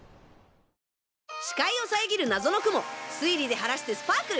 視界を遮る謎の雲推理で晴らしてスパークル！